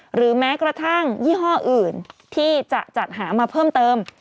หรือแม้กระทั่งยี่ห้ออื่นที่จะจัดหามาเพิ่มเติม